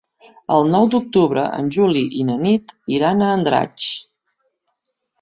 El nou d'octubre en Juli i na Nit iran a Andratx.